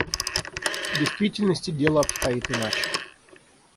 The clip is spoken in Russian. В действительности дело обстоит иначе.